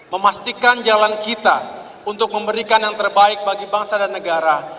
memastikan jalan kita untuk memberikan yang terbaik bagi bangsa dan negara